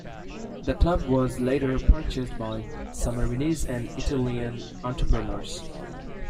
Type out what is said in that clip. The club was later purchased by Sammarinese and Italian entrepreneurs.